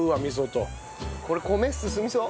これ米進みそう。